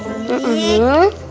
luqman yang baik